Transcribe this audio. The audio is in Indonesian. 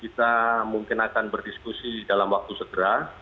kita mungkin akan berdiskusi dalam waktu segera